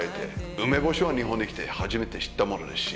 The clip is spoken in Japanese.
梅干しは日本に来て初めて知ったものですし。